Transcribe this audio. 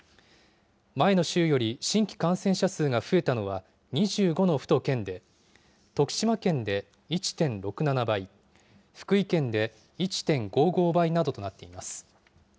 前の週より新規感染者数が増えたのは、２５の府と県で、徳島県で１．６７倍、福井県で１．５５倍などとなっています。